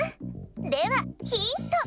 ではヒント！